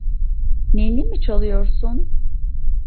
Ninni mi çalıyorsun?